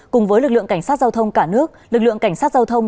cùng với lực lượng cảnh sát giao thông cả nước lực lượng cảnh sát giao thông